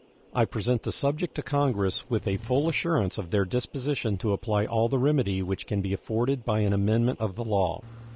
I present the subject to Congress with a full assurance of their disposition to apply all the remedy which can be afforded by an amendment of the law.